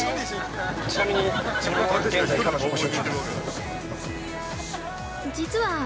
◆ちなみに自分も現在は彼女募集中です。